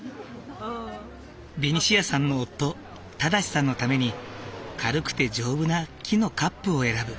ベニシアさんの夫正さんのために軽くて丈夫な木のカップを選ぶ。